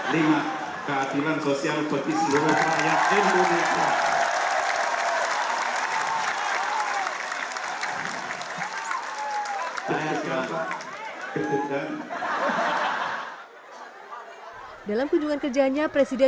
lima keadilan sosial bagi seluruh rakyat indonesia